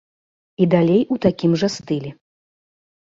І далей у такім жа стылі.